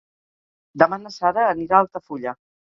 Demà na Sara anirà a Altafulla.